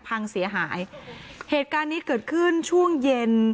พังเสียหายเหตุการณ์นี้เกิดขึ้นช่วงเย็น